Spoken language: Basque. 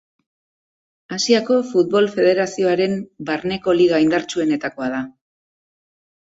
Asiako Futbol Federazioaren barneko liga indartsuenetakoa da.